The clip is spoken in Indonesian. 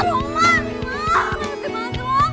masukin banget lo